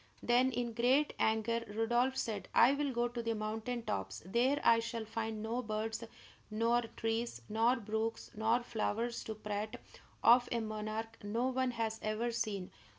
Then, in great anger, Rodolph said: "I will go to the mountain tops; there I shall find no birds, nor trees, nor brooks, nor flowers to prate of a monarch no one has ever seen.